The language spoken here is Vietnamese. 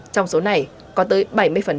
trong số này có tới bảy mươi là phụ nữ và trẻ em